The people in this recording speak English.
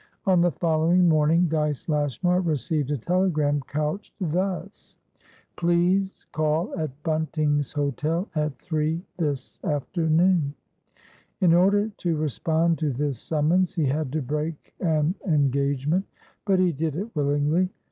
On the following morning, Dyce Lashmar received a telegram, couched thus: "Please call at Bunting's Hotel at 3 this afternoon." In order to respond to this summons, he had to break an engagement; but he did it willingly.